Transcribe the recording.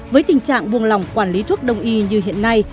với tình trạng buồn lòng quản lý thuốc đồng y như hiện nay